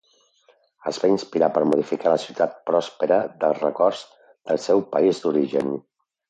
Es va inspirar per modificar la ciutat pròspera dels records del seu país d'origen: